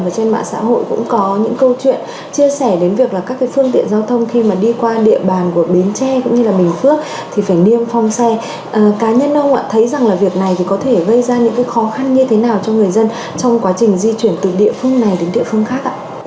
cá nhân ông ạ thấy rằng việc này có thể gây ra những khó khăn như thế nào cho người dân trong quá trình di chuyển từ địa phương này đến địa phương khác ạ